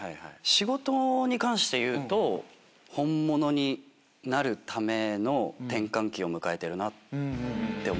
仕事に関して言うと本物になるための転換期を迎えてるって思ってます。